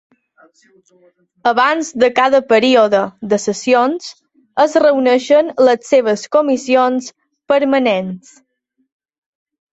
Abans de cada període de sessions, es reuneixen les seves comissions permanents.